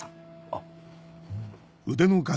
あっ。